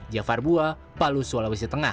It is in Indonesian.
jafar bua palu sulawesi tengah